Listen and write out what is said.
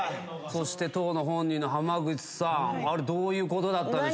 そして当の本人の浜口さんどういうことだったんでしょうか。